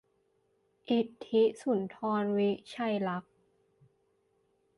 อิทธิสุนทร วิชัยลักษณ์